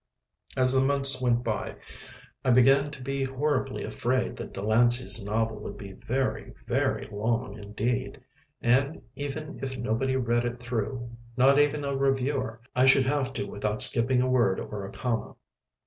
As the months went by I began to be horribly afraid that Delancey's novel would be very, very long indeed. And even if nobody read it through, not even a reviewer, I should have to without skipping a word or a comma.